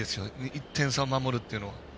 １点差を守るっていうの。